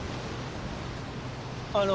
あの。